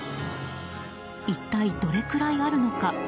一体どれくらいあるのか？